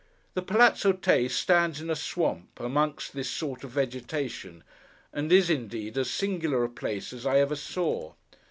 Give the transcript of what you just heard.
The Palazzo Tè stands in a swamp, among this sort of vegetation; and is, indeed, as singular a place as I ever saw.